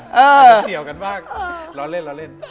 เฉียวกันบ้างล้อเล่น